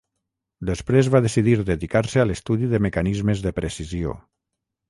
Després va decidir dedicar-se a l'estudi de mecanismes de precisió.